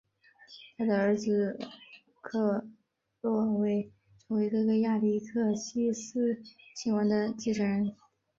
他的儿子克洛维成为哥哥亚历克西斯亲王的继承人。